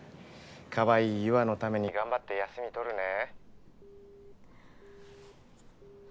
かわいい優愛のために頑張って休み取るね。